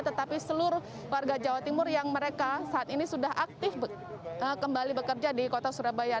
tetapi seluruh warga jawa timur yang mereka saat ini sudah aktif kembali bekerja di kota surabaya